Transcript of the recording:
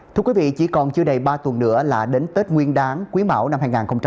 thưa quý vị chỉ còn chưa đầy ba tuần nữa là đến tết nguyên đáng quý mão năm hai nghìn hai mươi bốn